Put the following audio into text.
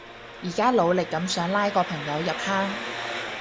而家努力噉想拉個朋友入坑